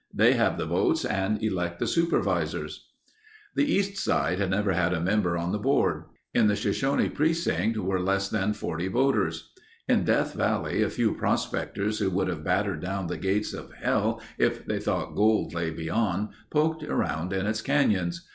They have the votes and elect the supervisors." The east side had never had a member on the board. In the Shoshone precinct were less than 40 voters. In Death Valley a few prospectors who would have battered down the gates of hell if they thought gold lay beyond, poked around in its canyons.